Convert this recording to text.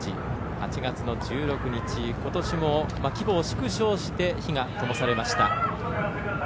８月１６日ことしも規模を縮小して火がともされました。